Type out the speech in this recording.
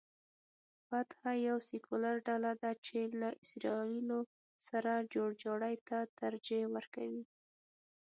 فتح یوه سیکولر ډله ده چې له اسراییلو سره جوړجاړي ته ترجیح ورکوي.